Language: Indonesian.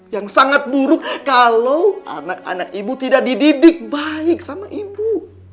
yang sangat buruk kalau anak anak ibu tidak dididik baik sama ibu